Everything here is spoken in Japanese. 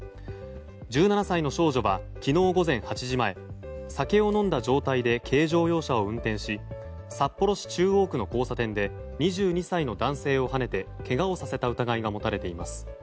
１７歳の少女は昨日午前８時前酒を飲んだ状態で軽乗用車を運転し札幌市中央区の交差点で２２歳の男性をはねてけがをさせた疑いが持たれています。